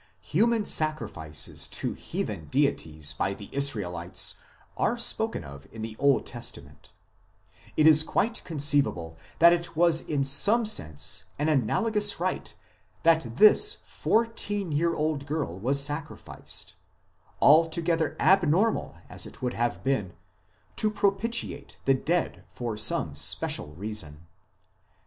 Human sacrifices to heathen deities by the Israelites are spoken of in the Old Testament ; it is quite conceivable that it was in some sense an analogous rite that this fourteen year old girl was sacrificed alto gether abnormal as it would have been to propitiate the dead for some special reason.